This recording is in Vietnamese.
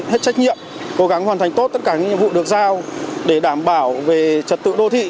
hết trách nhiệm cố gắng hoàn thành tốt tất cả những nhiệm vụ được giao để đảm bảo về trật tự đô thị